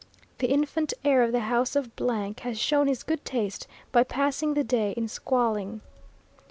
The infant heir of the house of has shown his good taste by passing the day in squalling.